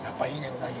うなぎ。